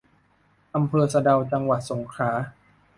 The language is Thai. อำเภอสะเดา จังหวัดสงขลา